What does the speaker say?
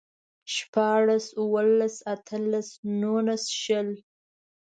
شپاړلس، اوولس، اتلس، نولس، شل